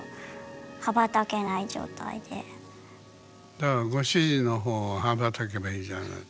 だからご主人の方へ羽ばたけばいいじゃない。